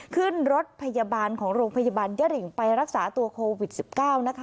ขึ้นรถพยาบาลของโรงพยาบาลยะริงไปรักษาตัวโควิด๑๙นะคะ